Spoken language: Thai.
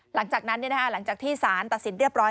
หลังจากนั้นหลังจากที่ศาลตัดสินเรียบร้อย